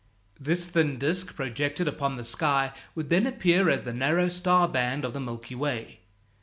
This thin disk projected upon the sky would then appear as the narrow star band of the Milky Way.